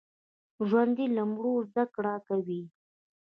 ژوندي له مړو زده کړه کوي